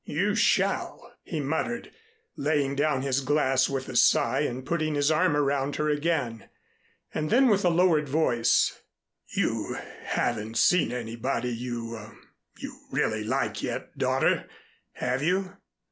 "You shall!" he muttered, laying down his glass with a sigh and putting his arm around her again. And then with a lowered voice, "You haven't seen anybody you you really like yet, daughter, have you?"